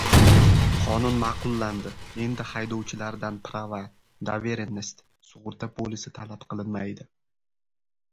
Qonun ma’qullandi: endi haydovchilardan "prava", "doverennost", sug‘urta polisi talab qilinmaydi